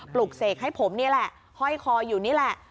ปลุกเสกให้ผมนี่แหละห้อยคออยู่นี่แหละ